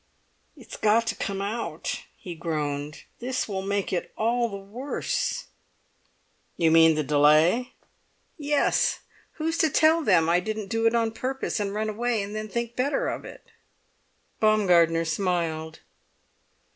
"It's got to come out," he groaned; "this will make it all the worse." "You mean the delay?" "Yes! Who's to tell them I didn't do it on purpose, and run away, and then think better of it?" Baumgartner smiled.